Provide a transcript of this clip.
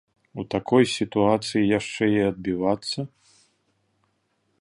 У такой сітуацыі яшчэ і адбівацца?